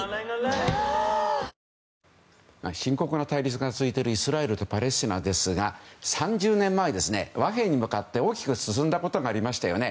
ぷはーっ深刻な対立が続いているイスラエルとパレスチナですが３０年前、和平に向かって大きく進んだことがありましたよね。